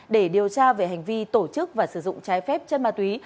để điều tra về hành vi tổ chức và sử dụng trái phép chân ma túy